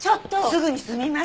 すぐに済みます。